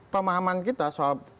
pemahaman kita soal